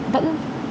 vẫn không thể là